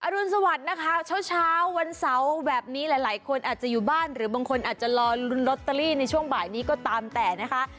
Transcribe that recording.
รุนสวัสดิ์นะคะเช้าวันเสาร์แบบนี้หลายคนอาจจะอยู่บ้านหรือบางคนอาจจะรอลุ้นลอตเตอรี่ในช่วงบ่ายนี้ก็ตามแต่นะคะ